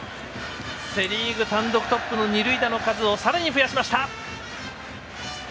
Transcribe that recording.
セ・リーグ単独トップの二塁打の数をさらに増やしました。